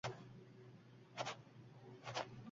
Diktaturaning avj olishida avtomobilchilar: